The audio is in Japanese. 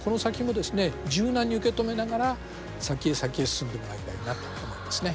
柔軟に受け止めながら先へ先へ進んでもらいたいなと思いますね。